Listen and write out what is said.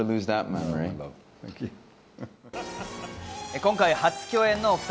今回、初共演のお２人。